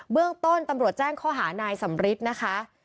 เรื่องต้นตำรวจแจ้งข้อหานายสำริทนะคะ